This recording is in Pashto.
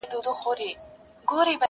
چي هر چا ورته کتل ورته حیران وه!.